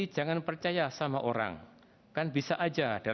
pasukan peretarbangan dunia